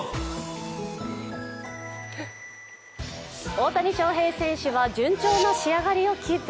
大谷翔平選手は順調な仕上がりをキープ。